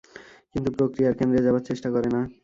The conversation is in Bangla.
কিন্তু প্রক্রিয়ার কেন্দ্রে যাবার চেষ্টা করে না।